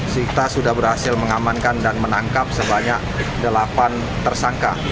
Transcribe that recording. kita sudah berhasil mengamankan dan menangkap sebanyak delapan tersangka